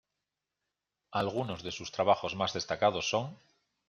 Algunos de sus trabajos más destacados son